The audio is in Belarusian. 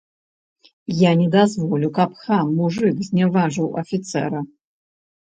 Я не дазволю, каб хам, мужык зняважыў афіцэра!